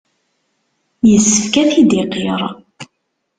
Yessefk ad t-id-iqirr.